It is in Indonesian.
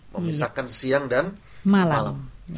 memisahkan siang dan malam